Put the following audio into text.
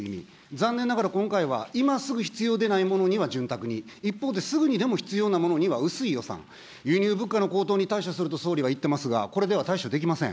残念ながら、今回は今すぐ必要でないものには潤沢に、一方ですぐにでも必要なものには薄い予算、輸入物価の高騰に対処すると総理は言っておりますが、これでは対処できません。